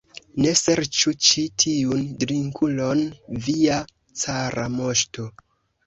Ne serĉu ĉi tiun drinkulon, via cara moŝto!